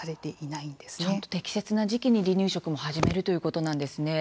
ちゃんと適切な時期に離乳食も始めるということなんですね。